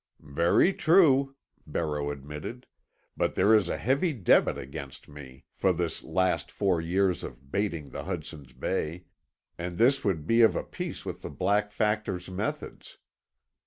"Very true," Barreau admitted, "but there is a heavy debit against me for this last four years of baiting the Hudson's Bay, and this would be of a piece with the Black Factor's methods.